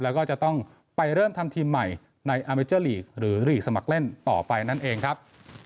แล้วก็จะต้องไปเริ่มทำทีมใหม่ในอาเมเจอร์ลีกหรือหลีกสมัครเล่นต่อไปนั่นเองครับ